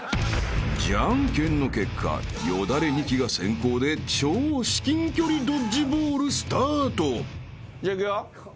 ［じゃんけんの結果よだれニキが先攻で超至近距離ドッジボールスタート］じゃあいくよ。